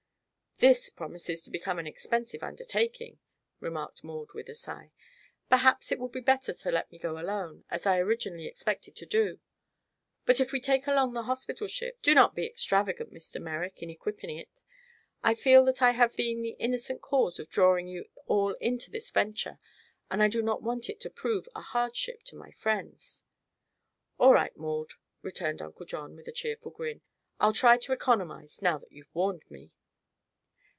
"This promises to become an expensive undertaking," remarked Maud, with a sigh. "Perhaps it will be better to let me go alone, as I originally expected to do. But, if we take along the hospital ship, do not be extravagant, Mr. Merrick, in equipping it. I feel that I have been the innocent cause of drawing you all into this venture and I do not want it to prove a hardship to my friends." "All right, Maud," returned Uncle John, with a cheerful grin, "I'll try to economize, now that you've warned me."